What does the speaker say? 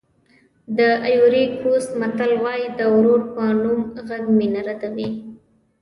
د ایوُري کوسټ متل وایي د ورور په نوم غږ مینه ردوي.